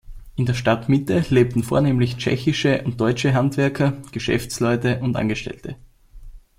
In der Stadtmitte lebten vornehmlich tschechische und deutsche Handwerker, Geschäftsleute und Angestellte.